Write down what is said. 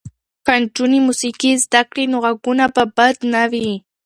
که نجونې موسیقي زده کړي نو غږونه به بد نه وي.